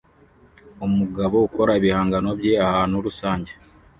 Umugabo ukora ibihangano bye ahantu rusange